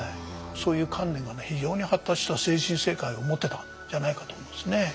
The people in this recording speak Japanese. そういう観念が非常に発達した精神世界を持ってたんじゃないかと思いますね。